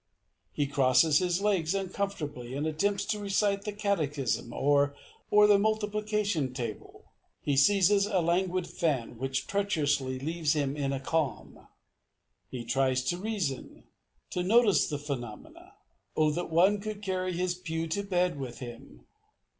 He crosses his legs uncomfortably, and attempts to recite the catechism or the multiplication table. He seizes a languid fan, which treacherously leaves him in a calm. He tries to reason, to notice the phenomena. Oh, that one could carry his pew to bed with him!